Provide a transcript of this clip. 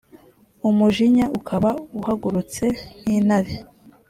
umujinya ukaba uhagurutse nk’intare.